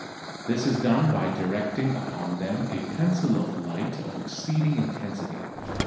This is done by directing upon them a pencil of light of exceeding intensity.